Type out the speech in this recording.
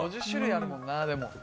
５０種類あるもんなでも